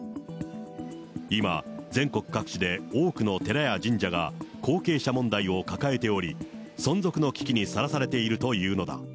今、全国各地で多くの寺や神社が後継者問題を抱えており、存続の危機にさらされているというのだ。